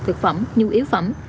thực phẩm nhu yếu phẩm